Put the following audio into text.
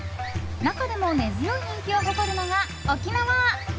中でも根強い人気を誇るのが沖縄。